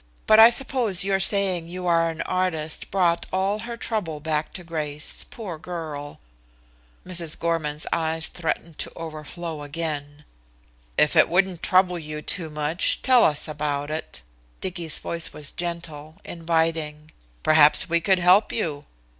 "But I suppose your saying you are an artist brought all her trouble back to Grace, poor girl." Mrs. Gorman's eyes threatened to overflow again. "If it wouldn't trouble you too much, tell us about it." Dicky's voice was gentle, inviting. "Perhaps we could help you."